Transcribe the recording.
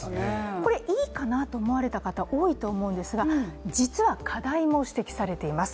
これいいかなと思われた方多いと思うんですが、実は課題も指摘されています。